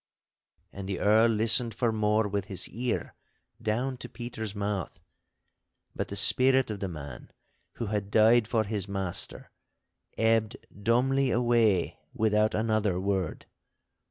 And the Earl listened for more with his ear down to Peter's mouth, but the spirit of the man who had died for his master ebbed dumbly away without another word.